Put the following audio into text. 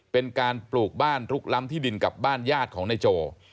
เป็นการปลูกบ้านลุกล้ำที่ดินกับบ้านญาติของนายโจ